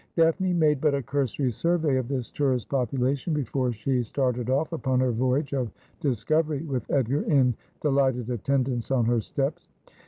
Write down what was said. Daphne made but a cursory survey of this tourist population before she started off upon her voyage of discovery, with Edgar in delighted attendance on her steps.